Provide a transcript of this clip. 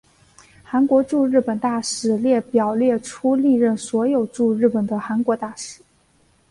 韩国驻日本大使列表列出历任所有驻日本的韩国大使。